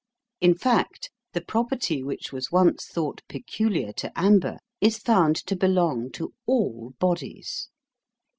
In fact, the property which was once thought peculiar to amber is found to belong to all bodies.